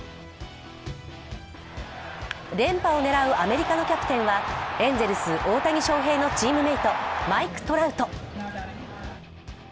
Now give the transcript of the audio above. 連覇を狙うアメリカのキャプテンはエンゼルス・大谷翔平のチームメイト、マイク・トラウト。